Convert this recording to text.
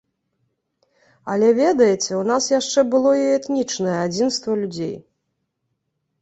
Але, ведаеце, у нас яшчэ было і этнічнае адзінства людзей.